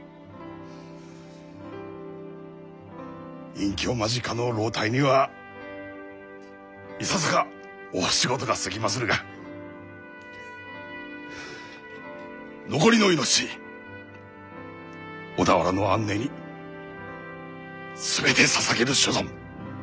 隠居間近の老体にはいささか大仕事が過ぎまするが残りの命小田原の安寧に全てささげる所存。